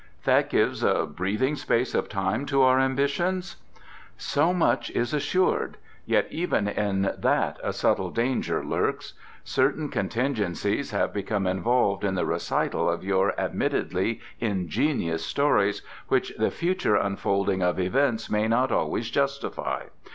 "That gives a breathing space of time to our ambitions?" "So much is assured. Yet even in that a subtle danger lurks. Certain contingencies have become involved in the recital of your admittedly ingenious stories which the future unfolding of events may not always justify.